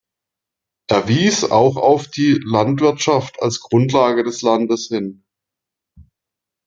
Es wies auch auf die Landwirtschaft als Grundlage des Landes hin.